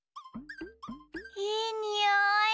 いいにおい！